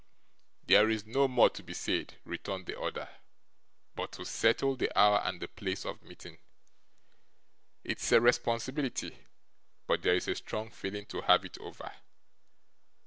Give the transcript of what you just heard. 'There is no more to be said,' returned the other, 'but to settle the hour and the place of meeting. It's a responsibility; but there is a strong feeling to have it over.